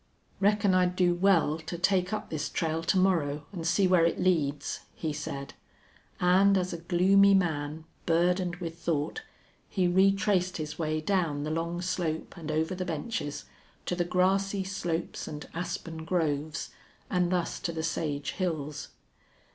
"Reckon I'd do well to take up this trail to morrow an' see where it leads," he said, and as a gloomy man, burdened with thought, he retraced his way down the long slope, and over the benches, to the grassy slopes and aspen groves, and thus to the sage hills.